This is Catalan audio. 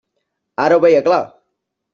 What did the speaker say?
Ara ho veia clar.